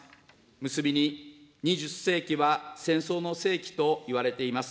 結びに、２０世紀は戦争の世紀といわれています。